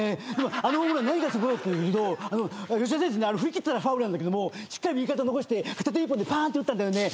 あのホームラン何がすごかったかというと吉田選手振り切ってたらファウルなんだけどもしっかり右肩残して片手１本で打ったんだよね。